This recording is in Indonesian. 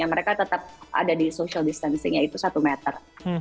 mereka tetap ada di social distancing yaitu satu meter